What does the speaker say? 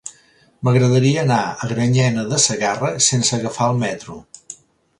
M'agradaria anar a Granyena de Segarra sense agafar el metro.